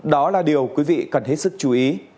đó là điều quý vị cần hết sức chú ý